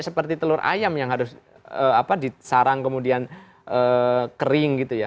seperti telur ayam yang harus disarang kemudian kering gitu ya